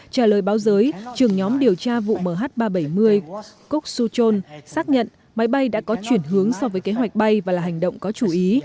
trả lời báo giới trưởng nhóm điều tra vụ mh ba trăm bảy mươi cuk suchon xác nhận máy bay đã có chuyển hướng so với kế hoạch bay và là hành động có chú ý